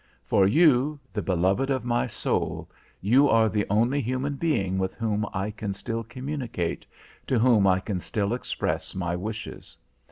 For you, the beloved of my soul, you are the only human being with whom I can still communicate, to whom I can still express my wishes.